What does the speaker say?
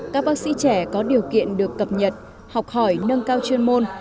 các bác sĩ trẻ có điều kiện được cập nhật học hỏi nâng cao chuyên môn